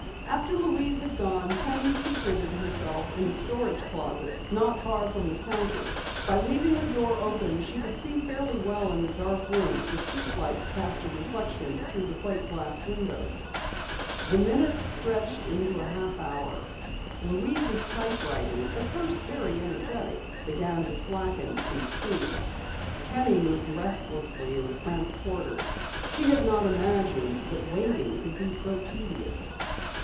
After Louise had gone, Penny secreted herself in a storage closet not far from the counter. By leaving the door open she could see fairly well in the dark room for street lights cast a reflection through the plate glass windows. The minutes stretched into a half hour. Louise's typewriting, at first very energetic, began to slacken in speed. Penny moved restlessly in the cramped quarters. She had not imagined that waiting could be so tedious.